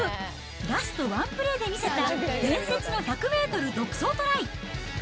ラストワンプレーで見せた伝説の１００メートル独走トライ。